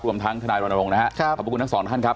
รวมทั้งทนายรณรงค์นะครับขอบคุณทั้งสองท่านครับ